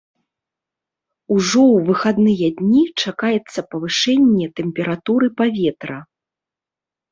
Ужо ў выхадныя дні чакаецца павышэнне тэмпературы паветра.